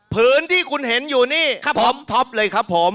ผืนที่คุณเห็นอยู่นี่ท็อปเลยครับผม